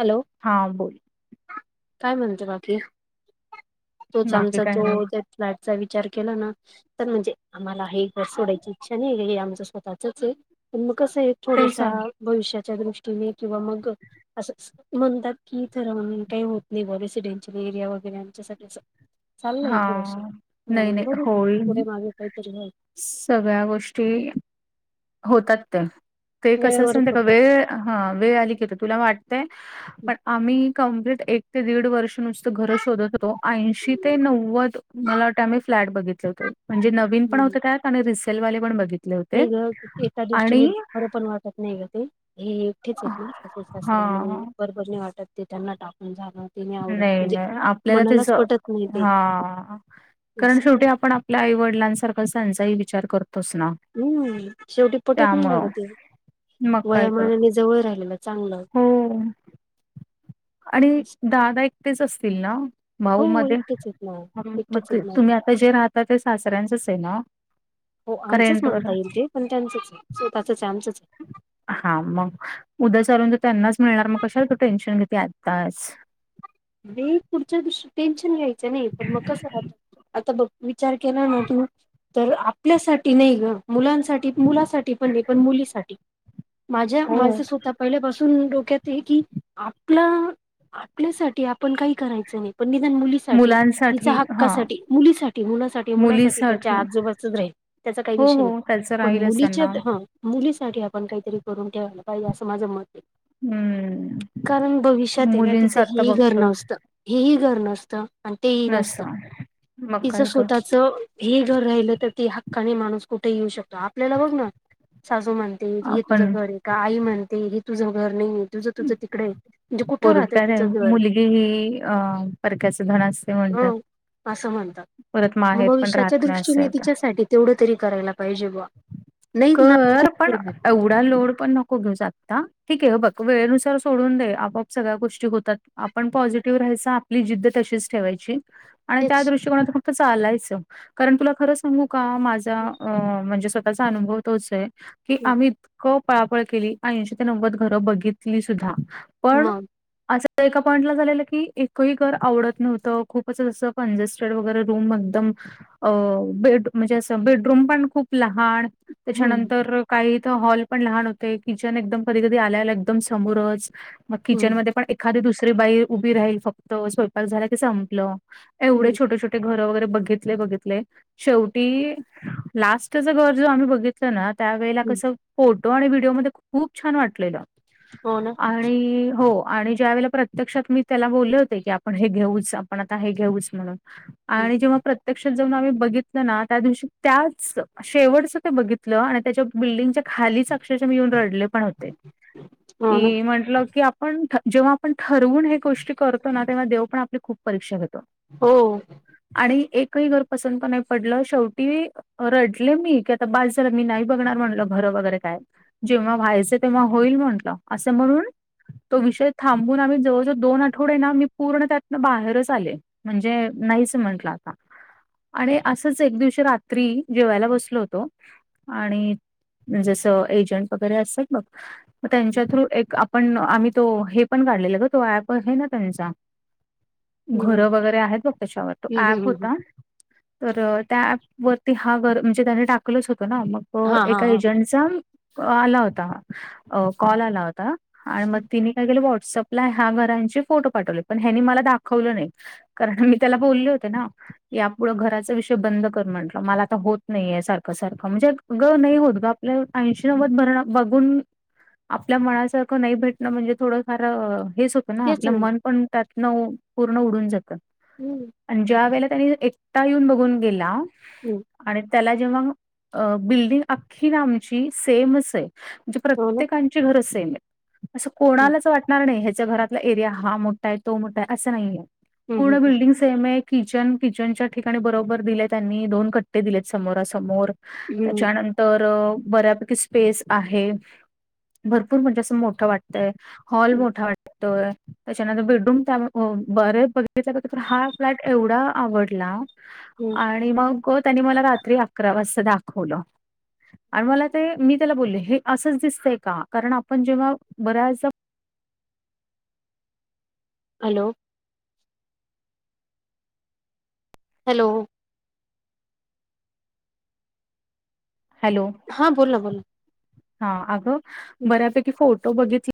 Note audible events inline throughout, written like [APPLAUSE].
Hello. हां बोल. काय म्हणते बाकी? तोच बाकी आमचा काही तो नाही फ्लॅटचा विचार केला ना. तर म्हणजे आम्हाला हे घर सोडायची इच्छा नाही, हे आमचं स्वतःचच आहे, पण मग कसं आहे ते थोडंसा सांग भविष्याच्या दृष्टीने किंवा मग असंच म्हणतात की ठरवून काही होत नाही, रेसिडेनशयल एरिया वगैरे आमच्यासाठी असं चाललंय हा थोडसं नाही म्हणून नाही बघू, पुढे होईल मागे काहीतरी व्हाय सगळ्या गोष्टी होतात त्या, ते कसं असतं वेळेवरच माहिती का होतात वेळ, हा वेळ आली की आता तुला वाटतंय पण आम्ही कंप्लीट एक ते दीड वर्ष नुसतं घर शोधत होतो, ऐंशी ते हम्म नव्वद मला वाटतं आम्ही फ्लॅट बघितले होते, म्हणजे नवीन पण होते त्यात आणि रिसेलवाले पण बघितले होते. नाही एका आणि दृष्टीने बरं पण वाटत नाही ग ते, हे एकटेच आहेत ना सास सासरे म्हणून हा बरोबर नाही वाटत ते त्यांना टाकून जाणं. ते आवडत नाही म्हणजे नाही आपल्याला त्याच मनालाच पटत नाही ते हा कारण असं शेवटी आपण आपल्या आईवडिलांसारखाच त्यांचाही विचार करतोच ना. हम्म, शेवटी पटत नाही ना त्यामुळं. ग ते. मग काय तर. वयामानाने जवळ राहिलेलं चांगलं. हो आणि असं. दादा एकटेच असतील ना भाऊ हो मध्ये? एकटेच आहेत ना मग एकटेच ते आहेत ना तुम्ही आता जे राहता ते सासऱ्यांचच आहे ना? हो का आमचंच रेंटवर? म्हणता येईल ते, पण त्यांचंच स्वतःच आहे आमचंच हा मग उद्या चालून तर त्यांनाच मिळणार, मग कशाला तू टेन्शन घेती आत्ताच. मी पुढच्या दृष्टी टेन्शन घ्यायचं नाही पण मग कसं राहत आता बघ विचार केला ना, तर आपल्यासाठी नाही ग मुलांसाठी मुलासाठी पण नाही, पण मुलीसाठी माझ्या हो. माझं स्वतः पहिल्यापासून डोक्यात आहे की आपलं आपल्यासा ठी आपण काही करायचं नाही, पण निदान मुली साठी तिच्या मुलांसाठी हां. हक्कासाठी मुलीसाठी, मुलासाठी मुलासाठी त्याच्या मुलीसाठी आजोबाचं राहील. त्याचा काही हो, विषय नाही, हो त्याचं पण राहीलच मुलीच्या त्यांना. हा मुलीसाठी आपण काहीतरी करून ठेवायला पाहिजे असं माझं मत आहे. हम्म. कारण भविष्यात आहे ना मुलींचं तिचं ही हे आत्ता ही घर बघतोय नसतं, हे ही घर नसतं आणि ते ही नसतं नसं मग तिचं काय तर स्वतः च हे घर राहिलं, तर ती हक्काने माणूस कुठे येऊ शकतो, आपल्याला बघ ना सासू म्हणते हे तुझं आपण घर आहे का? आई म्हणते हे तुझं घर नाही आहे, तुझं तुझं तिकडे आहे. म्हणजे कुठं राहते पोरगा ती? नाही मुलगी ही अ परक्याचं धन असते म्हणतात. अं असं म्हणतात. परत माहेर पण भविष्याच्या राहत नाही असं. दृष्टीने आहे. तिच्यासाठी तेवढं तरी करायला पाहिजे बा. कर, पण एवढा लोड पण न को घेऊस आता, ठीके हे बघ वेळेनुसार सोडून दे, आपोआप सगळ्या गोष्टी होतात. आपण पॉझिटिव्ह राहायचा, आपली जिद्द तशीच ठेवायची. आणि त्या तेच दृष्टीकोनात फक्त चालायचं कारण तुला खरं सांगू का माझा अ म्हणजे म्हणजे स्वतःचा अनुभव तोच ये की आम्ही क पळापळ केली ऐंशी ते नव्वद घरं बघितली सुद्धा पण मग असं एका पॉईंट ला झालेलं की एकही घर आवडत नव्हतं खूपच असं कंजेस्ट कन्स्टेड वगैरे रूम एकदम अ बेड म्हणजे अस बेडरूम पण खूप लहान हम्म त्याच्यानंतर काही इथ हॉल पण लहान होते किचन एकदम कधी कधी आल्या आल्या एकदम समोरच मग हम्म किचनमध्ये पण एखादी दुसरी बाई उभी राहील फक्त स्वयंपाक झाला ते संपलं. एवढे हम्म छोटे छोटे घर वगैरे बघितले बघितले शेवटी लास्ट स्ट च घर जो आम्ही बघितलं ना त्यावेेळेला हम्म कसं फोटो आणि व्हिडिओ मध्ये खूप छान वाटलेलं. हो ना आणि हो. आणि ज्या वेळेला प्रत्यक्षात मी त्याला बोलले होते की आपण हे घेऊच आपण आता हे घेऊच म्हणून. आणि जेव्हा प्रत्यक्षात जाऊन आम्ही बघितलं ना त्या दिवशी त्याच शेवटचं ते बघितलं आणि त्याच्या बिल्डिंगच्या खालीच अक्षरश मी येऊन रडले पण होते हो ना की म्हटल की पण जेव्हा आपण ठरवून हे गोष्टी करतो ना तेव्हा देव पण आपली खूप परीक्षा घेतो. हो. आणि एकही घर पसंत नाही पडलं शेवटी रड म्हटले मी की आता बास झाल मी नाही बघणार म्हणलं घरं वगैरे काय जेव्हा व्हायचं तेव्हा होईल म्हटलं असं म्हणून तो विषय थांबून आम्ही जवळजवळ दोन आठवडे ना मी पूर्ण त्यातन बाहेरच आले. म्हणजे नाही समजलं आता आणि असच एक दिवशी रात्री जेवायला बसलो होतो आणि जस एजंट वगैरे असतात बघ म त्यांच्या थ्रू एक आपण आम्ही तो हे पण काढलेला ग तो ऍप आहे ना त्यांचा हम्म घरं वगैरे आहेत बघ त्याच्यावर तो हं ऍप हं हं हं. होता, तर त्या ॲप वरती हा बर म्हणजे त्यानी टाकलंच होतं ना, मग हां हां एका हां. एजंट त्यांचा आला होता कॉल आला होता आणि मग तिनी काय झालं व्हॉट्सअपला ह्या घरांचे फोटो पाठवले पण ह्यानी मला दाखवलं नाही. कारण मी त्याला बोलले होते ना, की यापुढं घराचा विषय बंद कर म्हटलं मला होत नाहीेये सारखं सारखं म्हणजे ग नाही होत ग आपल्या ऐंशी नव्वद भरण बघून आपल्या मनासारखं नाही भेटणं म्हणजे थोडं फार हेच होत पण तेच आपलं ना. मन पण त्यातनं पूर्ण उडून जातं. हम्म आणि ज्या वेळेला त्यानी एकटा येऊन बघून गेला. हम्म आणि त्याला जेव्हा अ बिल्डिंग अख्खी ना आमची सेमच आहे. म्हणजे हो ना. प्रत्येकांची घर सेम ये, असं हं. कोणालाच वाटणार नाही ह्याच्या घरात एरिया हा मोठा आहे तो मोठा आहे असं नाहीये हं, पूर्ण हं, हं. बिल्डिंग सेम ये. किचन किचनच्या ठिकाणी बरोबर दिले त्यांनी दोन कट्टे दिलेत समोरासमोर हं, त्याच्यानं तर बऱ्यापैकी स्पेस आहे. भरपूर म्हणजे असं मोठं वाटत. वाटतय हॉल हं, मोठा वाटतोय. त्याच्यानंतर बेडरूम त्या बरये बघितल तर हा फ्लॅट एवढा आवडला. हं. आणि मग त्यानी मला रात्री अकरा वाजता दाखवलं. आणि मला ते मी त्याला बोलली हे असंच दिसतय का? कारण आपण जेव्हा बऱ्याचदा हॅलो. हॅलो. हॅलो. हां. बोल ना. बोल ना. हा. अगं हं. बऱ्यापैकी फोटो बघित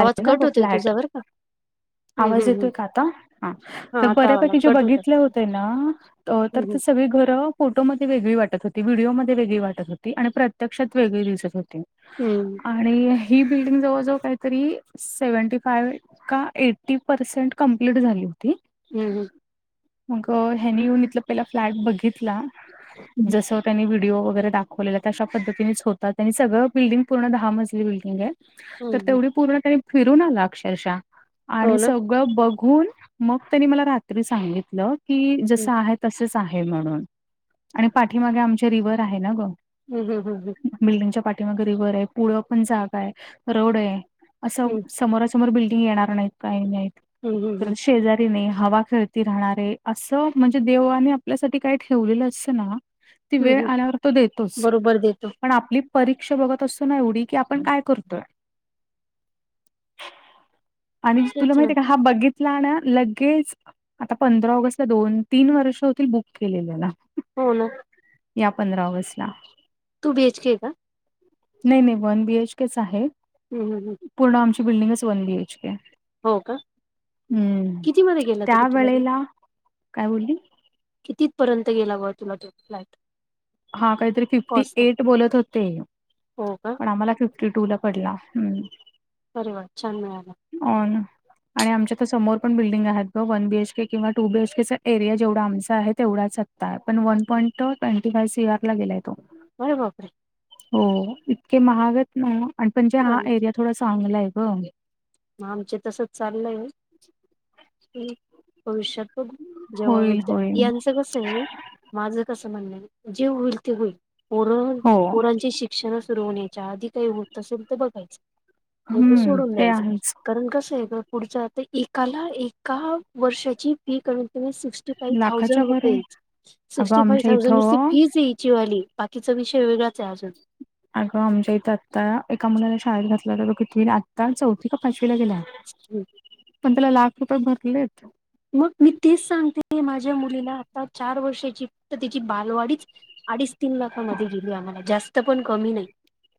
आवाज ना कट गं होतोय फ्लॅट. तुझा बरं का. हं, आवाज हं, येतोय हं. का आता? हा. हां, तर आता आला. बऱ्यापैकी जे कट होता. बघितल्या होते ना. तर हं, ते हं. सगळी घरं फोटोमध्ये वेगळी वाटत होती. व्हिडीओमध्ये वेगळी वाटत होती. आणि प्रत्यक्षात वेगळी दिसत होती. हं. आणि ही बिल्डिंग जवळजवळ का तरी सेव्हनटी फाय का एटी परसेंट कंप्लीट झाली होती. हम्. हम. मग ह्यानी येऊन इथलं पहिला फ्लॅट बघितला. हं. जस त्यानी व्हिडिओ वगैरे दाखव खलेलं तशा पद्धतीनेच होत. त्यां सगळं बिल्डिंग पूर्ण दहा मजली बिल्डिंग आहे. हं, तर हं. तेवढी पूर्ण त्यांनी फिरून आला अक्षरशः. हो आणि स ना. बघून मग त्यांनी मला रात्री सांगितलं की जस हं. आहे तस हे म्हणनून आणि पाठीमागे आमच्या रिव्हव आहे ना ग. हम हम हं हम बिल्डिंगच्या पाठी रिव्हर आहे अस पुढ पण जागा आहे रोड आहे अस समोरा हं. समोर समोर बिल्डिंग येणार नाहीत काही नाहीत. हम् हम हम. शेजारीने हवा खेळती राहणारे असं म्हणजे देवाने आपल्यासाठी काय ठेवलेलं असतं ना ती हं, वेळ हं. आल्यावर तो देतोच बरोबर देतो. पण आपली परीक्षा बघत असतो ना एवढी की आपण काय करतोय. आणि तुला तेच माहित ना. आहे का? हा बघितला ना लगेच आता पंधरा ऑगस्ट ला दोन तीन वर्ष होतील बुक केलेल्याला. हो. ना. या पंधरा ऑगस्ट ला. टू बी एच के आहे का नाही नाही वन बीएचके च आहे. हं हं हं पूर्ण आमची बिल्डिंगच वन बी एच के आहे. हो का? हम्म कितीमध्ये गेला तरी तुला त्यावेेळेला काय बोलली? किती पर्यंत गेला व तुला फ्लाट. हा काहीतरी फिफ्टी एट बोलत होते हो का? पण आम्हाला फिफ्टी फिफ्टी टू ला पडला. अरे वा छान मिळाला. हो ना आणि आमच्या तर समोर पन बिडिंग आहेत बघ वन बीएच के किंवा टू बीएच केचा एरिया जेवढ आमचा आहे तेवढाच पण one point twenty five CR ला गेलाय तो. बरं बप रे. हो इतके महागात ना आणि म्हणजे हा आम- एरिया थोडा चांगला आहे ग. मग आमच तसच चाललंय भविष्यात बघ जेव्हा हो होईल होईल यांचं कसं आहे माझं कस म्हणण जेव होईल ते होईल पोर हो पोरांचे शिक्षण सुरू होण्याच्या आधी काही होत असेल तर बघायचं. नाही तर हम्म सोडून ते देय. आहेच कारण कसं ग पुढच्यातून एकाला एका वर्षाची फी कमीत कमी सिक्टी फाइव लाखाच्या थोऊसँड वर आहे रुपीज, अगं सिक्टी फाइव आमच्या थोऊसँड नुसती इथं फी चे आहे, हीची वाली. बाकीचा विषय वेगळाच आहे अजून. अगं आमच्या इथं आता, एका मुलाला शाळेत घातला त आता चौथी का पाचवीला गेल्याय, पण त्याला लाख रुपये भरलेत. मग मी तेच सांगते, माझ्या मुलीला आता चार वर्षाची तर तीची बालवाडीच अडीच, तीन लाखामध्ये गेली आम्हाला जास्त पण कमी नाही.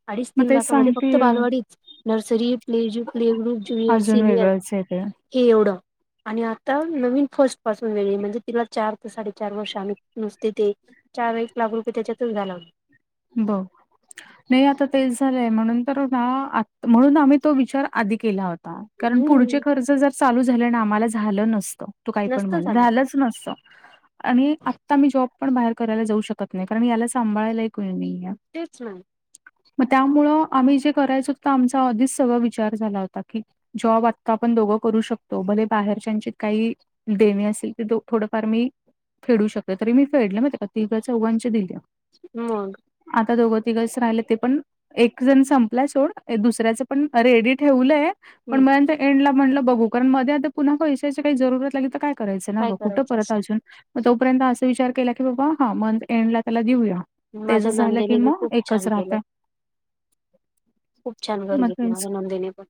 अडीच, मग तीन तेच लाखामध्ये फक्त सांगतेय बालवाडीच. Nursery playgroup, play group, junior, अजून सिनियर वेगळंच आहे ते हे एवढं आणि आ ता नवीन फर्स्ट पासून वेगळी म्हणजे तिला चार ते साडेचार वर्ष आम्ही नुसते ते चार, एक लाख रुपये त्याच्यातच घालवले. बघ. नाही आता तेच झालंय, म्हणून तर ना म्हणून आम्ही तो विचार आधी केला हो ता. कारण पुढचे हम्म खर्च जर चालू झाले ना, आम्हाला झालं नसतं तू काही पण नसत म्हण. झालं झा लाच नसत. आणि आता मी जॉब पण बाहेर करायला जाऊ शकत नाही, कारण याला सांभाळायला कोणी नाहीये. तेच ना. मग त्यामुळं आम्ही जे करायच होत, आमचा आधीच सगळा विचार झाला होता की जॉब आत्ता आपण दोघं करू शकतो. भले बाहेरच्याची काही देणी असेल तर, थोडंफार मी फेडू शकते. तरी मी फेडले माहितीय का तिघा, चौघांचे दिले. मग. आता दोघं, तिघचं राहिलेत, ते पण एक जण संपला सोड, दुसऱ्याच पण रेडी ठेवलंय. पण मंथ एंडला म्हणलं बघू, कारण मधे अधे पुन्हा पैशाची काही जरुरत लागली तर काय करायचं ना काय ग. कुठं करायचं परत अजून, मग तोपर्यंत असा विचार केला की, बाबा हा मंथ एंड ला त्याला देऊया. तेच माझ्या झालं की, नंदेने बी मग खूप एकच छान केलं राहतय. खूप छान घर मग घेतले तेच माझ्या नंदेने पण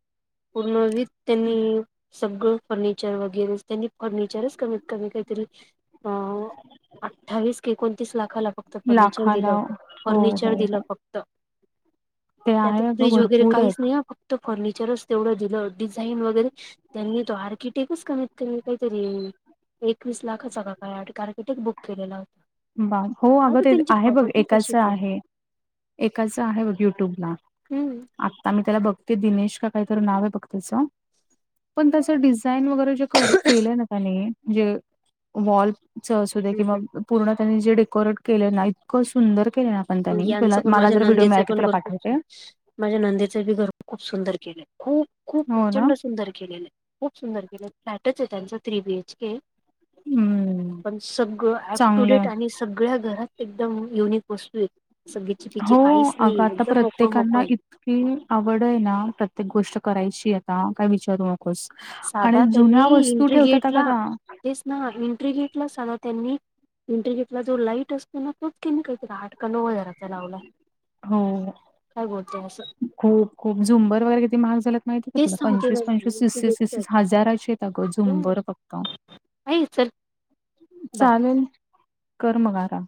पूर्ण विथ त्यांनी सगळं फर्निचर वगैरे, त्यांनी फर्निचरच कमीत कमी काहीतरी अं अठ्ठावीस क एकोणतीस लाखाला फक्त फर्निचर दिलं लाखाला हो होत. हो फर्निचर हो दिलं फक्त ते त्यात आहे अगं फ्रीज वगैरे भरपूर काहीच आहेत नाही हा. फक्त फर्निचरच तेवढं दिलं. डिझाईन वगैरे त्यांनी तो आर्किटेक्टच कमीत कमी काहीतरी एकवीस लाखच का काय? आर्किटेक्ट बुक केलेला. बा हो, अग आता त्यांची आहे बघ प्रॉपर्टी एकाचं तशीच आहे. एकाच आहे बघ, युट्यूबला. हम्म आता मी त्याला बघते दिनेश का य तरी नाव आहे बघ त्याचं पण त्याचं डिझाइन वगैरे केलय ना त्याने म्हणजे वॉलच असुदे हम् किंवा हम पूर्ण त्यांनी जे डेकोरेट केलय ना, इतकं सुंदर केलय ना. पण त्याने. तुला यांचं पण मला माझ्या जर व्हिडिओ नंदेचं मिळाला की, पण तुला घर पाठवते खूप हा. माझ्या नंदेच बी घर खूप सुंदर केलंय. खूप खूप हो ना प्रचंड सुंदर केलेलं आहे. खूप सुंदर केलंय. फ्लॅटच आहे त्यांचा थ्री बी एच के. हम्म पण सगळ अप टु चांगलंय डेट आणि सगळ्या घरात एकदम युनिक वस्तू आहेत. हो, अग आता मोकळ मोकळ प्रत्येकांना आहे कि आवड आहे ना, प्रत्येक गोष्ट करायची आता काय विचारू नका. आणि साधा जुन्या त्यांनी वस्तू एंट्री ठेवत्याता गेटला त्या तेच ना एंट्री घेतला सगळा त्यांनी. इंटरवटला जो लाईट असतो ना, तोच [UNINTELLIGIBLE] लावलाय काय बोलते असं हो खूप झुंबर वैगैरे किती महाग झाल्यात. माहिती आहे का तुला तेच सांगते ना पंचवीस, पंचवीस, तीस, तीस हजाराचे आहेत अग झुंबर फक्त काहिहि चल बाय चालेल, कर मग आराम.